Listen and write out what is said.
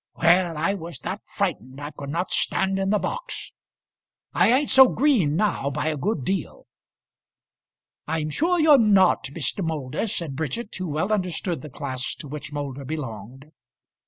Well, I was that frightened, I could not stand in the box. I ain't so green now by a good deal." "I'm sure you're not, Mr. Moulder," said Bridget, who well understood the class to which Moulder belonged.